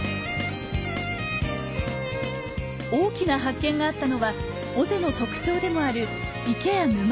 大きな発見があったのは尾瀬の特徴でもある池や沼。